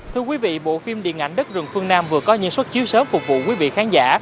thưa quý vị bộ phim điện ảnh đất rừng phương nam vừa có những xuất chiếu sớm phục vụ quý vị khán giả